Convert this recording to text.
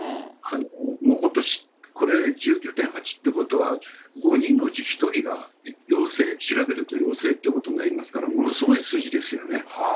本当これ、１９．８ってことは、５人のうち１人が陽性、調べると陽性ということになりますから、ものすごい数字ですよね。